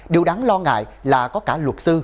điều đáng lo ngại là có cả luật sư